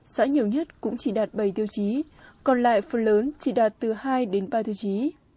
xã nhiều nhất cũng chỉ đạt bảy tiêu chí còn lại phần lớn chỉ đạt từ hai đến ba tiêu chí